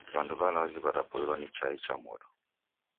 W'andu w'alazi w'adapoilwa ni chai cha modo.